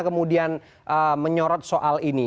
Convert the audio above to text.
kemudian menyorot soal ini